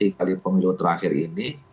tiga kali pemilu terakhir ini